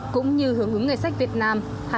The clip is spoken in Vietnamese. cũng như hưởng ứng ngày sách việt nam